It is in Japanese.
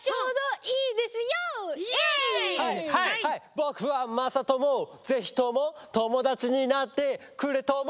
ぼくはまさともぜひともともだちになってくれとも！